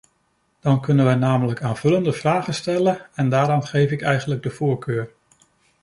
Dan kunnen wij namelijk aanvullende vragen stellen en daaraan geef ik eigenlijk de voorkeur.